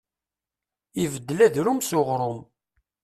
Ibeddel adrum s uɣrum.